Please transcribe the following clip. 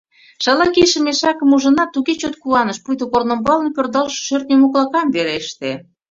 Шала кийыше мешакым ужынат, туге чот куаныш, пуйто корнымбалне пӧрдалше шӧртньӧ моклакам вереште.